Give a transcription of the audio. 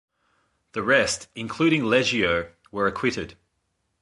The rest, including Leggio, were acquitted.